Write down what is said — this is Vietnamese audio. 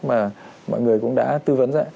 mà mọi người cũng đã tư vấn ra